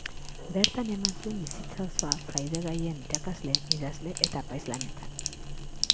Bertan eman zuen bizitza osoa fraide-gaien irakasle, idazle eta apaiz lanetan.